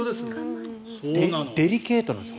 デリケートなんです。